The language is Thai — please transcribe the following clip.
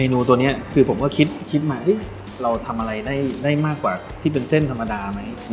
เดี๋ยวแป่งกินแล้วกันเนอะ